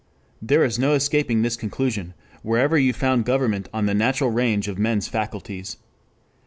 There is no escaping this conclusion, wherever you found government on the natural range of men's faculties.